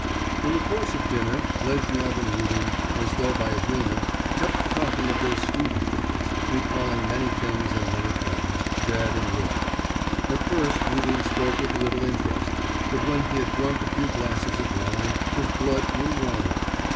In the course of dinner, Lezhnyov and Rudin, as though by agreement, kept talking of their student days, recalling many things and many friends dead and living. At first Rudin spoke with little interest, but when he had drunk a few glasses of wine his blood grew warmer.